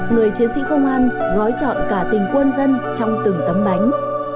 người chiến sĩ công an gói chọn cả tình quân dân trong từng tấm bánh